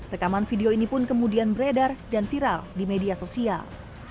rekaman video ini pun kemudian beredar dan viral di media sosial